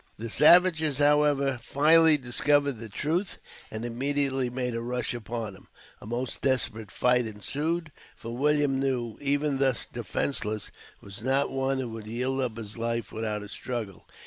The savages, however, finally discovered the truth and immediately made a rush upon him. A most desperate fight ensued, for William New, even thus defenceless, was not one who would yield up his life without a struggle.